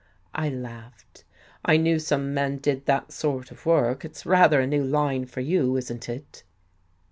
I laughed. " I knew some men did that sort of work. It's rather a new line for you, isn't it?